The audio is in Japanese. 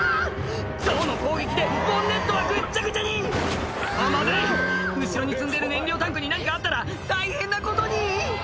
ゾウの攻撃でボンネットはぐっちゃぐちゃにまずい後ろに積んでる燃料タンクに何かあったら大変なことに！